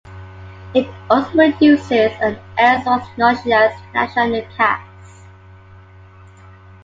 It also produces and airs "Once Noticias" national newscasts.